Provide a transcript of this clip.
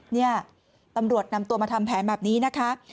เนี่ยตำรวจนำตัวมาทำแผนแบบนี้นะคะ